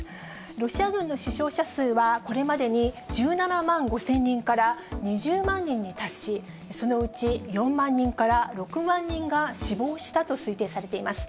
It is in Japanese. ロシア軍の死傷者数は、これまでに１７万５０００人から２０万人に達し、そのうち４万人から６万人が死亡したと推定されています。